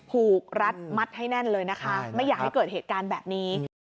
รัดมัดให้แน่นเลยนะคะไม่อยากให้เกิดเหตุการณ์แบบนี้